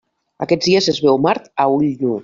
Aquests dies es veu Mart a ull nu.